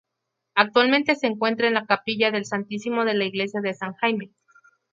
Actualmente se encuentran en la capilla del Santísimo de la iglesia de San Jaime.